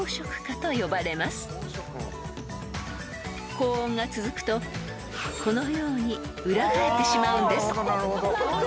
［高温が続くとこのように裏返ってしまうんです］